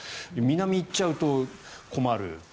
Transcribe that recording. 南に行っちゃうと困る。